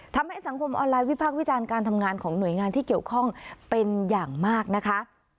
ทำให้สังคมออนไลน์วิพากษ์วิจารณ์การทำงานของหน่วยงานที่เกี่ยวข้องเป็นอย่างมากนะคะ